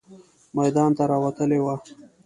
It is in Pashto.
میدان ته راوتلې وه.